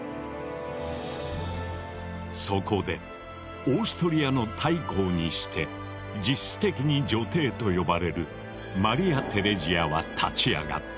そこでオーストリアの大公にして実質的に女帝と呼ばれるマリア・テレジアは立ち上がった。